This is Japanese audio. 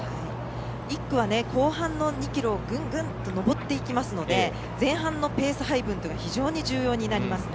１区は後半の２ｋｍをグングンと上っていくので前半のペース配分が非常に重要になりますね。